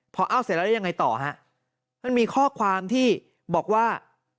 พอเอ้าเสร็จแล้วได้ยังไงต่อฮะมันมีข้อความที่บอกว่า